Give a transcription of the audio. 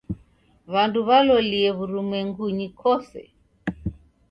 W'andu w'alolie w'urumwengunyi kose.